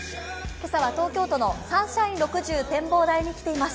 今朝は東京都のサンシャイン６０展望台に来ています。